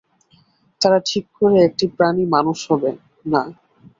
তারা ঠিক করে একটি প্রাণী মানুষ হবে, না।